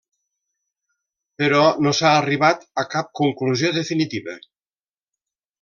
Però no s'ha arribat a cap conclusió definitiva.